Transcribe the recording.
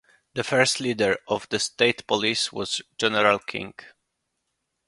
The first leader of the State Police was a General King.